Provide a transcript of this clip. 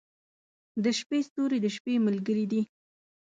• د شپې ستوري د شپې ملګري دي.